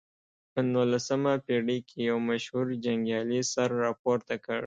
په نولسمه پېړۍ کې یو مشهور جنګیالي سر راپورته کړ.